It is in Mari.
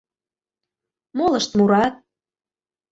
Молышт мурат...